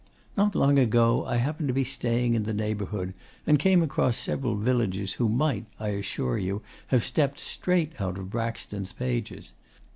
Not long ago I happened to be staying in the neighbourhood, and came across several villagers who might, I assure you, have stepped straight out of Braxton's pages.